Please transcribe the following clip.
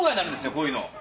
こういうの！